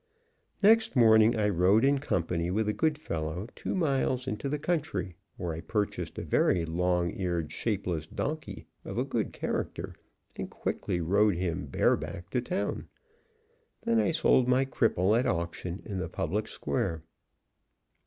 Next morning I rode in company with a good fellow two miles into the country, where I purchased a very long eared, shapeless donkey, of a good character, and quickly rode him bare back to town. Then I sold my cripple at auction in the public square.